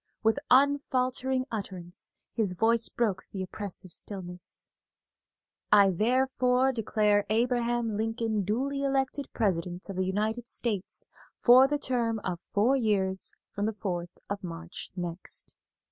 With unfaltering utterance his voice broke the oppressive stillness: "I therefore declare Abraham Lincoln duly elected President of the United States for the term of four years from the fourth of March next."